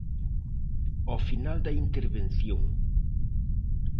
Ao final da intervención.